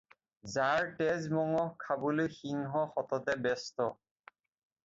যাৰ তেজ মঙহ খাবলৈ সিংহ সততে ব্যস্ত